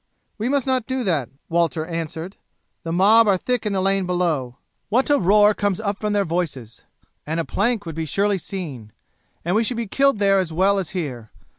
"We must not do that," Walter answered. "The mob are thick in the lane below what a roar comes up from their voices! and a plank would be surely seen, and we should be killed there as well as here.